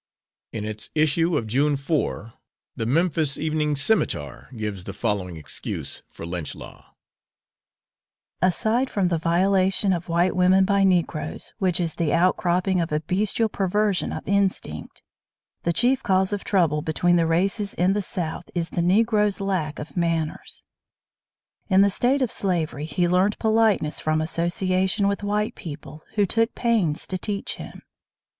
In its issue of June 4, the Memphis Evening Scimitar gives the following excuse for lynch law: Aside from the violation of white women by Negroes, which is the outcropping of a bestial perversion of instinct, the chief cause of trouble between the races in the South is the Negro's lack of manners. In the state of slavery he learned politeness from association with white people, who took pains to teach him.